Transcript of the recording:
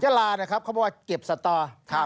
เยอะลาเขาบอกว่าเก็บสต